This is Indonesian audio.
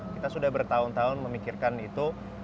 kita sudah bertahun tahun memikirkan itu